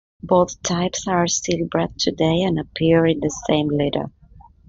Both types are still bred today and appear in the same litter.